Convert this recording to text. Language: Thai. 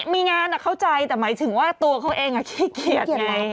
มีงานเข้าใจแต่หมายถึงว่าตัวเขาเองขี้เกียจยังไง